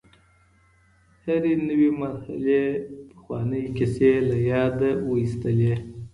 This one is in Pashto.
هرې نوې مرحلې پخوانۍ کیسې له یاده وویستلې.